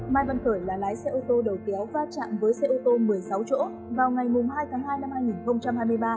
mai văn khởi là lái xe ô tô đầu kéo va chạm với xe ô tô một mươi sáu chỗ vào ngày hai tháng hai năm hai nghìn hai mươi ba